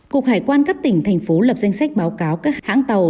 cục hải quan các tỉnh thành phố lập danh sách báo cáo các hãng tàu